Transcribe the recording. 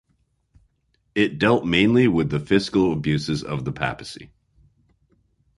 It dealt mainly with the fiscal abuses of the papacy.